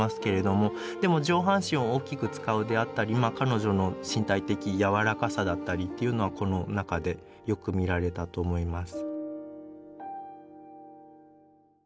でも上半身を大きく使うであったり彼女の身体的柔らかさだったりっていうのはこの中でよく見られたと思います。